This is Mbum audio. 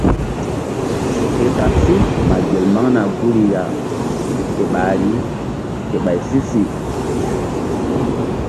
Ke sa sí ma gel maŋna guri ya ke ɓahri ke ɓay si-si.